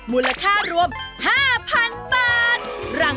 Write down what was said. มูลค่ารวม๕๐๐๐บาท